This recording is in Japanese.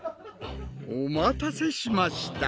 お待たせしました！